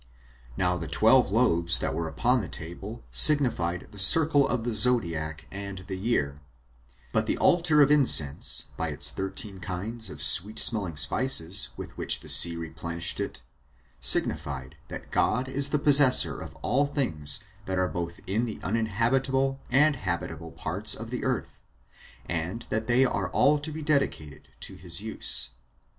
Now the twelve loaves that were upon the table signified the circle of the zodiac and the year; but the altar of incense, by its thirteen kinds of sweet smelling spices with which the sea replenished it, signified that God is the possessor of all things that are both in the uninhabitable and habitable parts of the earth, and that they are all to be dedicated to his use.